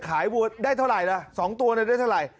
ขายวัวทั้ง๒ตัวได้เท่าไหร่